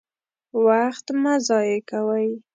وخت مه ضايع کوئ!